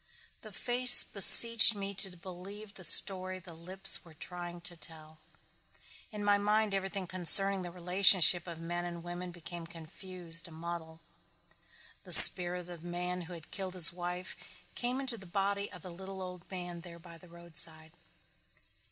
The face beseeched me to believe the story the lips were trying to tell. In my mind everything concerning the relationship of men and women became confused, a muddle. The spirit of the man who had killed his wife came into the body of the little old man there by the roadside.